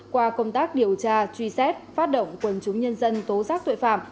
qua công tác điều tra truy xét phát động quân chúng nhân dân tố giác tuệ phạm